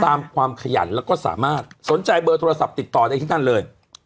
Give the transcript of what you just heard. ความขยันแล้วก็สามารถสนใจเบอร์โทรศัพท์ติดต่อได้ที่นั่นเลย